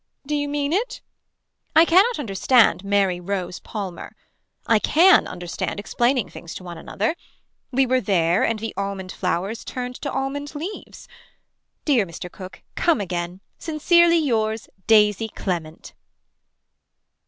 Do you mean it. I cannot understand Mary Rose Palmer. I can understand explaining things to one another. We were there and the almond flowers turned to almond leaves. Dear Mr. Cook. Come again. Sincerely yours Daisy Clement.